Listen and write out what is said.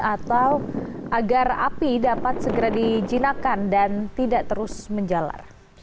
atau agar api dapat segera dijinakan dan tidak terus menjalar